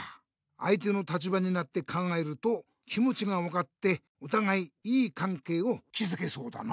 あいての立場になって考えると気もちが分かっておたがいいいかんけいをきずけそうだな。